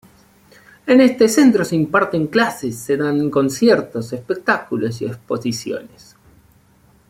En este centro se imparten clases y se dan conciertos, espectáculos y exposiciones.